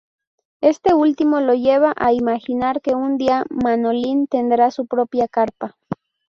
Este último lo lleva a imaginar que un día Manolín tendrá su propia carpa.